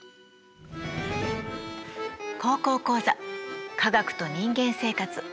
「高校講座科学と人間生活」。